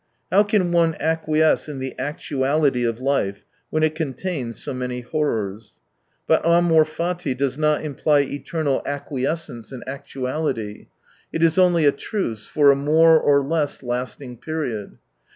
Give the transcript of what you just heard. How can one acquiesce in the actuality of life, when it contains so many horrors ? But amor fati does not imply eternal acquiescence in 76 actuality. It is only a truce, for a more or less lasting period.